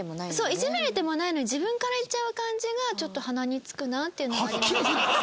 いじられてもないのに自分から言っちゃう感じがちょっと鼻につくなっていうのがありました。